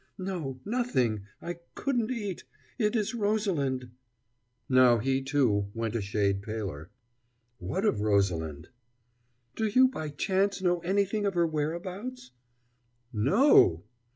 "No, nothing I couldn't eat it is Rosalind " Now he, too, went a shade paler. "What of Rosalind?" "Do you by chance know anything of her whereabouts?" "No!"